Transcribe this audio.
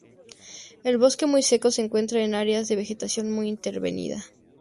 El bosque muy seco se encuentra en áreas de vegetación muy intervenida.